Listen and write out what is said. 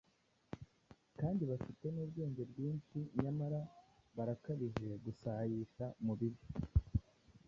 kandi bafite n’ubwenge bwinshi nyamara barakabije gusayisha mu bibi.